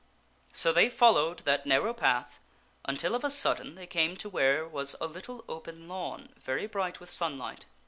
So they followed that narrow path until of a sudden they came to where was a little open lawn very bright with sunlight.